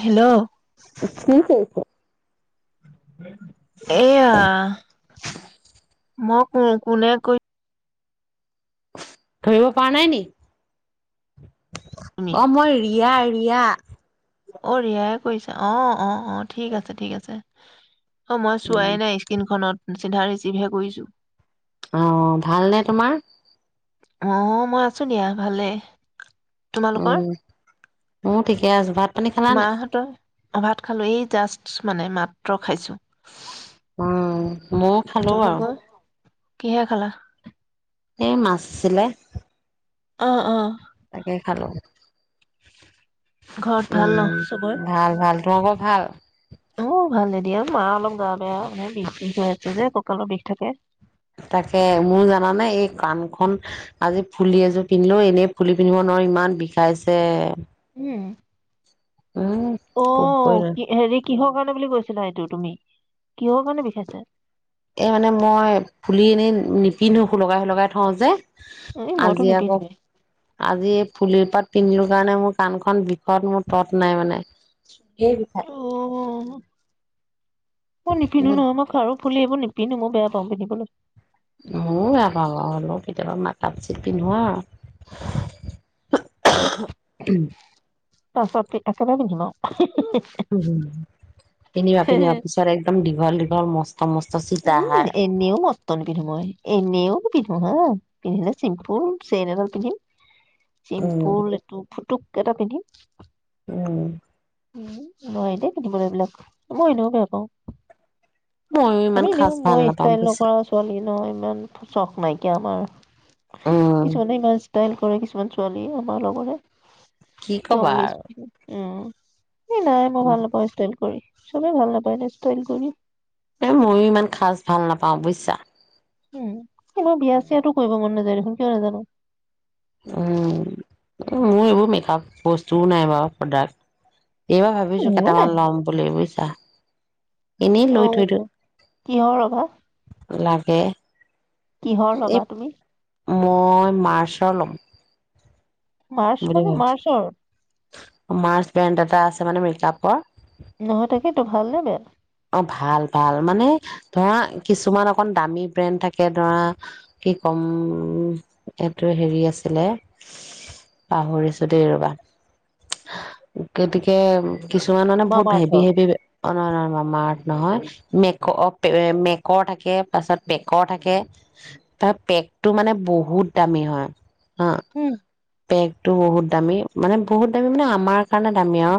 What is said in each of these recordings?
Hello কি কৰিছ? [unintelligible] এয়া, মোক ও' কোনে কৈ ধৰিব পৰা নাই নি? তুমি অ' মই ৰিয়াৰ ইয়া। অ ৰিয়াই কৰিছা, অ' অ' ঠিক আছে ঠিক আছে। অ' মই চোৱাই নাই স্কিনখনত। চিধা ৰিচিভহে কৰিছো। অ' ভালনে তোমাৰ? [unintelligible] উম উ ঠিকে আছো। ভাত পানী খালা নাই? মাহঁতৰ ভাত খালো, এই জাষ্ট মানে মাত্ৰ খাইছো। অ' ময়ও খালো বাৰু। কিহৰে খালা? এই মাছ আছিলে। অ অ। তাকেই খালো। ঘৰত ভাল উম ন চবৰে ভাল, ভাল তোমালোকৰ ভাল। অ ভালে দিয়া মা অলপ গা বেয়া মে বিষ, বিষ হৈ আছে যে তোকালৰ বিষ থাকে। তাকে মোৰ জানানে এই কাণখন আজি ফুলি এযোৰ পিন্ধিলো, এনেই ফুলি পিন্ধিব নোৱাৰো ইমান বিষাইছে। উম। উম অ কবই নোৱাৰি। কি হেৰি কিহৰ কাৰণে বুলি কৈছিলা এইটো তুমি কিহৰ কাৰণে বিষাইছো। এ মানে মই ফুলি এনেই নিপিন্ধো সোলাকাই, সোলকাই থওঁ যে এই মইতো আজি আকৌ নিপিন্ধোৱে আজি এই ফুলিৰ পাত পিন্ধিলো কাৰণে মোৰ কাণখন বিষত মোৰ তত নাই মানে। ধেৰ বিষাই। অ ম নিপিন্ধো নহয় মই খাৰো। খুলি এই বোৰ নিপন্ধো মই বেয়া পাওঁ পিন্ধিবলৈ। মোৰ বেয়া পাওঁ লগ হ'লো কেতিয়াবা মাকাপ চট পিন্ধোৱা আৰু ত সত একেবাৰে পিন্ধিৱ উ এনিবা পনিবা পিছত একদম দীঘল দীঘল মস্ত মস্ত উম চিতাহাৰ। এনেও মস্ত নিপিন্ধো এনেও পিন্ধিলে চিম্পুল চেইন এডাল পিন্ধম। উম। চিম্পুল এইটো ফুটুক কেইটা পিন্ধিম। উম। উম নোৱাৰি দেই পিন্ধিবলৈ এইবিলাক মই এনেও বেয়া পাওঁ। ময়ো ইমান আমি সাজ দিওঁ ভাল মই নাপাওঁ ষ্টাইল বুজিছা। কৰা ছোৱালী ন। ইমান চখ নাইকিয়া আমাৰ। উম, কিছুমানে ইমান দাইল কৰে কিছুমান ছোৱালী আমাৰ লগৰে কি কবা আৰু অ আ এই নাই মই ভাল নাপাওঁ ষ্টাইল কৰি। চবেই ভাল নাপায় ষ্টাইল কৰি। এ ময়ো ইমান খাজ ভাল নাপাওঁ বুজিছা। উম। কি মই বিয়া চিয়াতো কৰিব মন নাজায় দো। কিয় নাজানো। উ মোৰ এইবোৰ মেকাআপ বস্তুও নাই বাৰু প্ৰডাক্ট। এইবাৰ ভাবিছো মোৰো কেইটামান ল'ম বুলি বুজিছা। এনেই লৈ আহ থৈ দিওঁ কিহৰ ৰবা। লাগে কিহৰ এই ল'বা তুমি? মই মাৰ্চৰ ল'ম। মাৰ্চ বুলি মানে ভাবিছো মাৰ্চৰ মাৰ্চ ব্ৰেণ্ড এটা আছে মানে মেকআপৰ নহয় তাকেইটো ভাল নে বেয়া? অ ভাল, ভাল মানে ধৰা কিছুমান আ অকণ দামী ব্ৰেণ্ড থাকে ধৰা, কি কম--এইটো হেৰি আছিলে--পাহৰিছোঁ দে ৰ'বা। গতিকে কিছুমান মানে বহুত মামা হেভী আৰ্থৰ হেভী অ নহয় নহয় মামাআৰ্থ নহয়। মেকৰ অ পে মেকৰ থাকে পাছত পেকৰ থাকে। তাৰ পেকটো মানে বহুত দামী হয়। অ উম পেক টো বহুত দামী মানে বহুত দামী মানে আমাৰ কাৰণে দামী আৰু।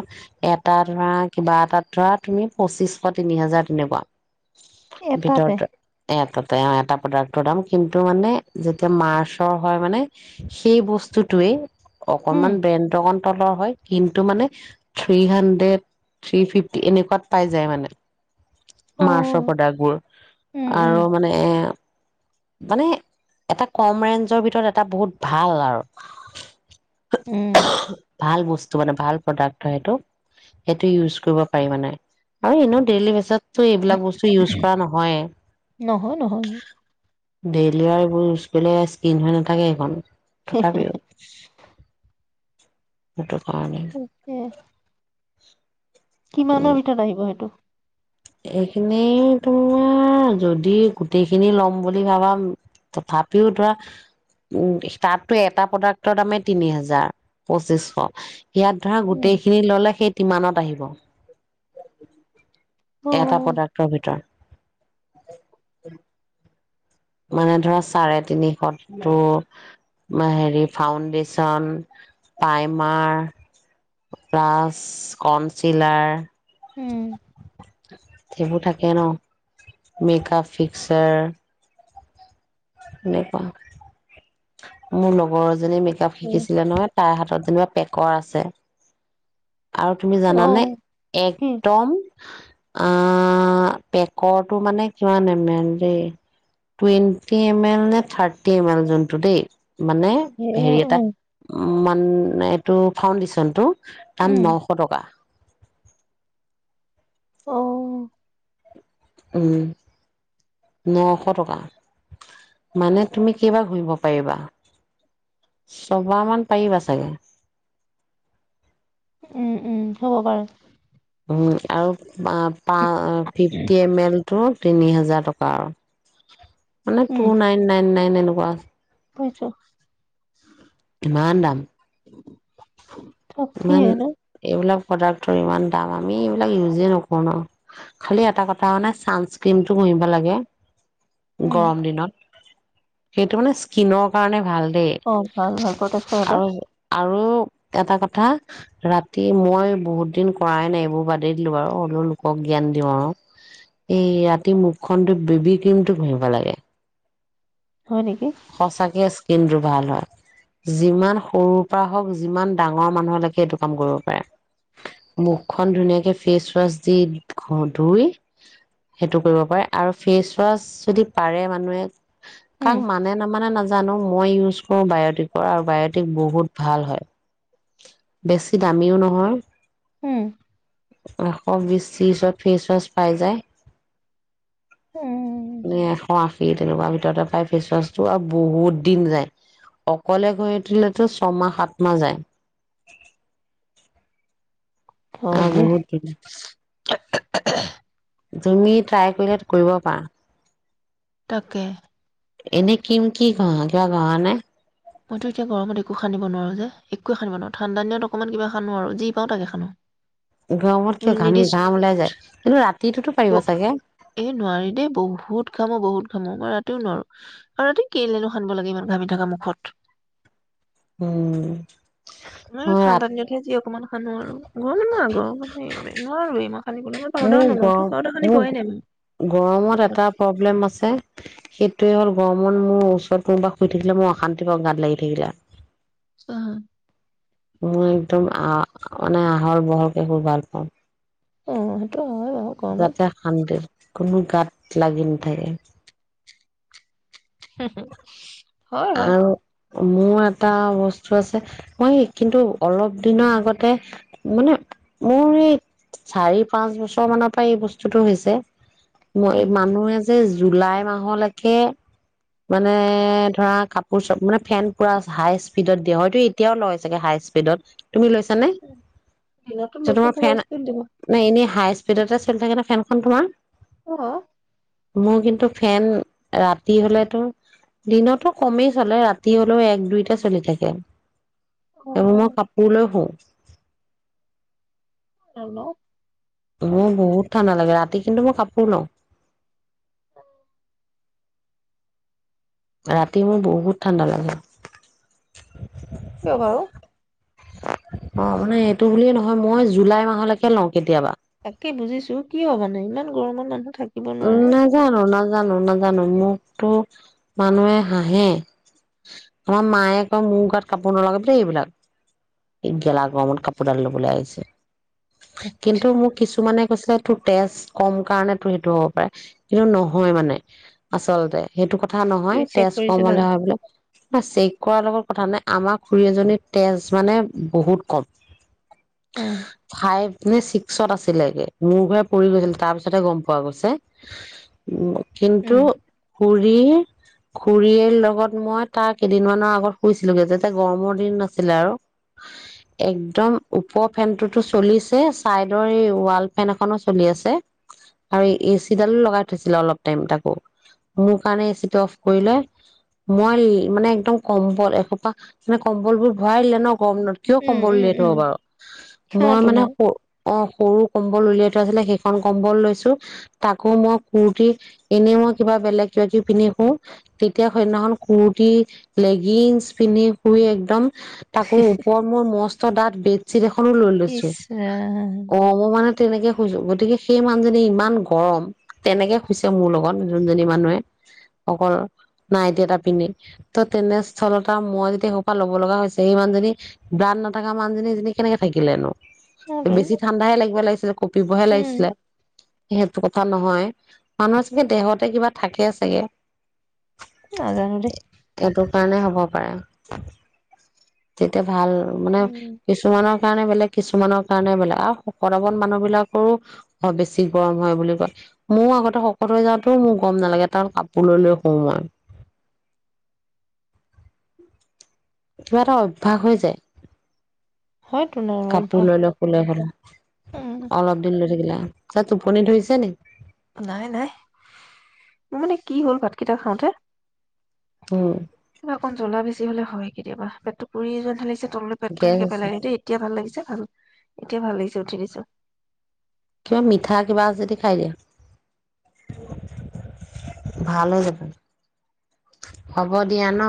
এটা ধৰা কিবা এটাত ধৰা তুমি পঁচিশ শ তিনি হাজাৰ তেনেকুৱা। এটাতে ভিতৰটোত। এটাতে অ এটা প্ৰডাক্টৰ দাম কিন্তু মানে যেতিয়া মাৰ্চৰ হয় মানে, সেই বস্তুটোৱেই উম অকণমান বেণ্ড অকণ তলৰ হয় কিন্তু মানে থ্ৰী হাণ্ড্ৰেড থ্ৰী ফিফটি এনেকুৱাত পাই যায় মানে অ মাৰ্ছৰ প্ৰডাক্টবোৰ উম উম আৰু মানে মানে এটা কম ৰেঞ্জৰ ভিতৰত এটা বহুত ভাল আৰু হো উম উখহং ভাল বস্তু মানে, ভাল প্ৰডাক্ট হয় সেইটো। সেইটো ইউজ কৰিব পাৰি মানে আৰু এনেও ডেইলি বেছত ত উম, এইবিলাক বস্তু ইউজ কৰা নহয়। নহয় নহয় ডেইলি আৰু এইবোৰ বলে স্কিন হৈ নাথাকে এইখন হে হে তথাপিও হে সেইটো কাৰণে তাকে কিমানৰ ভিতৰত আহিব সেইটো? এইখিনি তোমাৰ যদি গোটেইখিনি লম বুলি ভাবা তথাপিও ধৰা উম তাতো এটা প্ৰডাক্টৰ দামেই তিনি হাজাৰ, পঁচিছশ ইয়াত ধৰা উম গোটেই খিনি ল'লে সেই কিমানত আহিব? অ এটা প্ৰডাক্টৰ ভিতৰত মানে ধৰা চাৰে তিনিশ টো হেৰি ফাউণ্ডেচন, প্ৰাইমাৰ, প্লাছ কনচিলাৰ উম [inaudible] সেইবোৰ থাকে ন। মেকাপ ফিক্সচাৰ নে পা মোৰ লগৰ এ সেইজনীয়ে মেকআপ উম, শিকিছিলে নহয়। তাৰ হাতত যেনেবা পেকৰ আছে আৰু তুমি অ জানানে কি একদম আ আ আ আ আ, পেকৰটো মানে কিমান এমাউনট দে টুইৱেন টি এম এল নে, থাৰ্টি এম এল যোনটো দেই। মানে এ হেৰি এটা অ উ মান এ, এইটো ফাউণ্ডেশ্যনটো দাম উম নশ টকা। অ অ অ। উম, নশ টকা। মানে তুমি কেইবাৰ ঘহিব পাৰিবা। ছবাৰ মান পাৰিবা চাগে। উম, উম, হ'ব পাৰে। হু হু হু, আৰু মা-পা অ, ফিফটি এম এলটো তিনি হাজাৰ টকা আৰু মানে টু নাইন-নাইন-নাই তেনেকুৱা আছে বুজিছোঁ। ইমান দাম ইমান, এইবিলাপ প্ৰডাক্টৰ ইমান দাম। আমি এইবিলাক ইউজে নকৰো ন। খালি এটা কথা মানে চানচক্ৰীমটো ঘহিবা লাগে। উম গৰম দিনত। সেইটো মানে স্কিনৰ কাৰণে ভাল। দেই অ', ভাল-ভাল প্ৰডাক্টটো এইটো। আৰু আৰু এটা কা থা। অহ, ৰাতি মই বহুত দিন কৰায় নাই এইবোৰ। বাদেই দিলো বাৰু অ লো লোকক জ্ঞান দিয়ো আৰু এই ৰাতি মুখখন ধুই বেবি ক্ৰীমটো ঘহিব লাগে। হয় নেকি সঁচা কেছ কিন্তু ভাল হয়। যিমান সৰুৰ পৰা হওক যিমান ডাঙৰ মানুহলৈকে এইটো কাম কৰিব পাৰে। মুখখন ধুনীয়াকে ফেচৱাছ দি ঘ-ধুই। সেইটো কৰিব পাৰে আৰু ফেচৱাছ যদি পাৰে মানুহে উম কাক মানে-নামানে নাজ জানো। মই ইউছ কৰো বায়োটিক পৰা আৰু বায়োটিক বহুত ভাল হয়। বেছি দামিও নহয়। উম। এশ বিশ-ত্ৰিশত ফেচৱাছ পাই যায়। উম উম উম এশ আশী তেনেকুৱা ভিতৰতে পাই ফেচৱাছটো আৰু বহুত দিন যায়। অকলে ঘহি থুলেটো ছমাহ-সাতমাহ যায়। হয় আৰু দেই বহুত দিন [unintelligible] তুমি ট্ৰাই কৰিলে কৰিব পাৰা। তাকে এনে কিম কি ঘহা? কিবা ঘহানে? মইতো এতিয়া গৰমত একো সানিব নোৱাৰো যে, একোয়েই সানিব নোৱাৰোঁ ঠাণ্ডা দিনত অকণমান কিবা সানো আৰু যি পাওঁ তাকে সানো। গৰমত কিয় ঘামি নিৰ্দিচ ঘাম ওলাই যায় কিন্তু ৰাতিটোতো ব পাৰিবা চাগে? এই নোৱাৰি দেই বহুত ঘামো বহুত ৰাতিও নোৱাৰো আৰু ৰাতি কেলেনো সানিব লাগে ইমান ঘামি থকা মুখত। উম উম অ ৰাত ঠাণ্ডা দিনতহে যি অকমান সানো আৰু [unintelligible] গৰমত সেই নোৱাৰো এই মাহ মোৰ গৰম মোৰ মই গৰমত মুখত এটা প্ৰব্লেম আছে সেইটোৱে হ'ল গৰমত মোৰ ওচৰত কোনোবা শুই থাকিলে মোৰ অশান্তিৰ পাওঁ গাত লাগি থাকিলে অ মই একদম আহ মানে আহল বহলকে শুই ভাল পাওঁ অ সেইটো হয় বাৰু গৰমত যাতে শান্তি কোনো গাত লাগি নাথাকে হু হু হয়, হয় আৰু মোৰ এটা বস্তু আছে মই কিন্তু অলপ দিনৰ আগতে মানে মোৰ এই চাৰি পাঁচ বছৰ মানৰ পৰা এই বস্তুটো হৈছে। ম কি এ মানুহে যে যে জুলাই মাহলৈকে মানে ধৰা কাপোৰ চব মানে ফেন পুৰা হাই স্পীডত দিয়ে হয়তো এতিয়াও লয় চাগে হাই স্পীডত। তুমি লৈছা নে? দিনতো যে লোকে তোমাৰ পুৰা ফেন স্পীড দিব নে এনেই হাইচ স্পীডতে চলি থাকে নে ফেনখন তোমাৰ? অহ মোৰ কিন্তু ফেন ৰাতি হ'লেতো দিনতো কমেই চলে ৰাতি হ'লেও এক দুইতে চলি থাকে। [unintelligible] মই নাজানো কাপোৰ লৈ শুও। নলওঁ মোৰ বহুত ঠাণ্ডা লাগে ৰাত কিন্তু মই কাপোৰ লওঁ। ৰাতি মোৰ বহুত ঠাণ্ডা লাগে। কিয় বাৰু? অ', মানে এইটো বুলিয়ে নহয় মই জুলাই মাহলৈকে লওঁ কেতিয়াবা। তাকে বুজিছো কিয় মানে? ইমান গৰমৰ মানুহ থাকিব উম নোৱাৰে তুমি নাজানো নাজানো নাজানো মোকতো মানুহে হাঁহে আমাৰ মায়ে কয় মোৰ গাত কাপোৰ নলগাবি দেই এইবিলাক। এই গেলা গৰমত কাপোৰডাল ল'বলৈ আহিছে। কিন্তু মোক কিছুমানে কৈছিলে তোৰ তেজ কম কাৰণে সেইটো হ'ব পাৰে কিন্তু নহয় মানে আচলতে সেইটো কথা কথা নহয় তুমি চেক তেজ কম কৰিছিলা হলে হয় বিলাক ন চেক কৰাৰ লগত কথা নাই আমাৰ খুৰী এজনী তেজ মানে বহুত কম হম তাই মানে শিছত আছিলে মূৰ ঘূৰাই পৰি গৈছিল তাৰপিছত গোম পোৱা গৈছে। কিন্তু খুৰী খুৰীৰ লগত মই তাৰ কেইদিনমানৰ আগত শুইছিলোগৈ যোতে গৰমৰ দিন নাছিলে আৰু একদম ওপৰৰ ফেনটোতো চলিছে চাইডৰ এই ৱাল ফেন এখনো চলি আছে আৰু এচিডালো লগাই থৈছিলে অলপ টাইম আকৌ মোৰ কাৰণে এচি টো অফ কৰি লয় মই মানে একদম কম্বল এসোপা মানে কম্বল বোৰ ভৰাই দিলে ন কম কিয় উম কম্বল উম ওলায়াই থব উম বাৰু মই সিহঁতো মানে নাই অ সৰু কম্বল উলিয়াই থোৱা আছিলে সেইখন কম্বল লৈছো তাকো মই কুুৰ্তি এনে মই কিবা বেলেগ কিবা কিবি পিন্ধি শু তেতিয়া সেইদিনাখন কুুৰ্তি লেগিংছ পিন্ধি শুই একদম অ ওপৰত মই মস চাত বেজ চিট এখনো লৈ লৈছো ইচ ৰাম অ মই মানে তেনেকে শুইছো গতিকে সেই মানুহজনী ইমান গৰম তেনেকে শুইছে মোৰ লগত যোনজনী মানুহে অকল নাইতি এটা পিন্ধি ত তেনেস্থলতা মই যেতিয়া ক পৰা ল'ব লগা হৈছে সেই মানুজনী ব্ৰাণ নথকা মানুহজনী এজনী কেনেকে থাকিলেনো সিহঁতোন বেছি ঠাণ্ডাহে লাগিব লাগিছিলে কঁপিবহে উম লাগিছিলে সেইটো কথা নহয় মানুহ চাগে দেহতে কিবা থাকে চাগে নাজানো দে সেইকাৰণে হ'ব পাৰে তেতিটো ভাল মানে উম কিছুমানৰ কাৰণে বেলেগ কিছুমানৰ কাৰণে বেলেগ আৰু শকতাৱত মানুহ বিলাকৰো বেছি গৰম হয় বুলি কয় ময় আগতে শকত হৈ যাওঁতেও মোৰ গম নালাগে তাৰ কাপোৰ লৈ লৈ শুওঁ মই কিবা এটা অভ্যাস হৈ যায় হয়তো ন কাপোৰ অভ্যাস লৈ লৈ খুলে হ উম অলপ দিন লৈ থাকিলে চাত টুপনি ধৰিছে ন নাই নাই মানে কি হ'ল ভাতকেইটা খাওঁতে উম ক অকন জ্বলা বেছি বেছ হলে হয় কেতিয়াবা পেটটো পুৰি যোৱা যেন লাগিছে তললৈ পেতটো গেছ এনেকে আছে পেলাই এতিয়া ভাল লাগছে ভাল এতিয়া ভাল লাগিছে উঠি দিছো কিবা মিঠা কিবা যদি খাই দিয়া ভাল হৈ যাব হব দিয়া ন